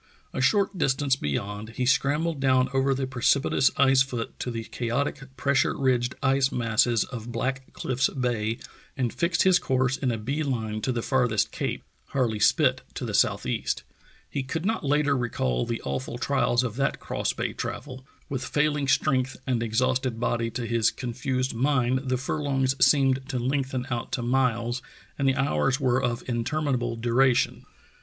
A short distance beyond he scrambled down over the precipitous ice foot to the chaotic, pressure ridged ice masses of Black Cliffs Bay, and fixed his course in a bee line to the farthest cape, Harle} Spit to the southeast. He could not later recall the awful trials of that cross bay travel. With failing strength and exhausted body, to his confused mind the furlongs seemed to lengthen out to miles and the hours were of interminable du ration.